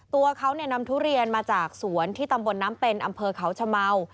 ตัวเขานำทุเรียนมาจากสวนที่ตำบลน้ำเป็นอำเภอเขาชะเมา